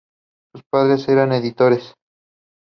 Chit also had at least two other children with other wives.